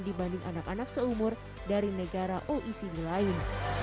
dibanding anak anak seumur dari negara oecd lain